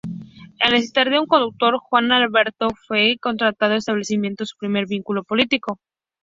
Al necesitar de un traductor, Juan Gualberto fue contratado, estableciendo su primer vínculo político.